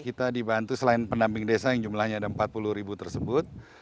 kita dibantu selain pendamping desa yang jumlahnya ada empat puluh ribu tersebut